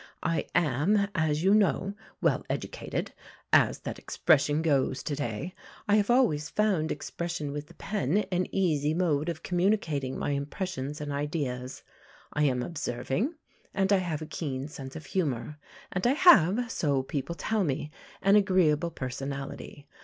I am, as you know, well educated, as that expression goes to day. I have always found expression with the pen an easy mode of communicating my impressions and ideas. "I am observing, and I have a keen sense of humour, and I have (so people tell me) an agreeable personality.